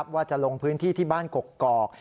ว่าจะลงพื้นที่ที่บ้านกกอก